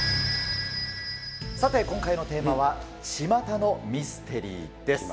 さて、今回のテーマは、ちまたのミステリーです。